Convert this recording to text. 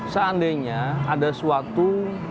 seandainya ada suatu